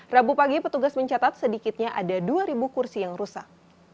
rabu pagi petugas mencatat sedikitnya ada dua kursi yang rusak